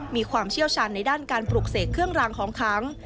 มีความเชี่ยวชาญในด้านการปลูกเสกเครื่องรางของขัง